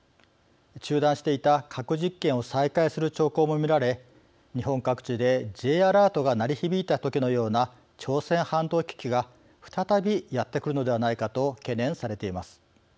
中断していた核実験を再開する兆候も見られ、日本各地でＪアラートが鳴り響いたときのような朝鮮半島危機が再び、やってくるのではないかと懸念されています。